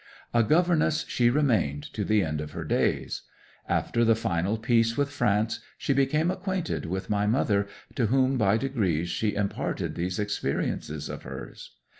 'A governess she remained to the end of her days. After the final peace with France she became acquainted with my mother, to whom by degrees she imparted these experiences of hers.